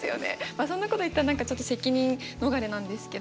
そんなこと言ったら何かちょっと責任逃れなんですけど。